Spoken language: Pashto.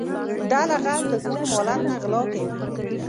دله غل د کور مالت نه غلا کوي .